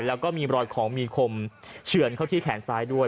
แล้วก็มีรอยของมีคมเฉือนเข้าที่แขนซ้ายด้วย